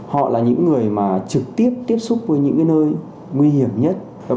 họ là những người mà trực tiếp tiếp xúc với những nơi nguy hiểm nhất